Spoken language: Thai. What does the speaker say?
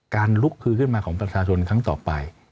ลุกคือขึ้นมาของประชาชนครั้งต่อไป